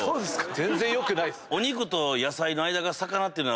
全然よくないです。